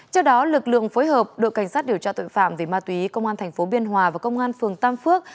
trước đó lực lượng phối hợp đội cảnh sát điều tra tội phạm về ma túy công an tp biên hòa và công an phường tam phước